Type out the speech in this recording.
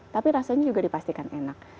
tapi rasanya juga dipastikan enak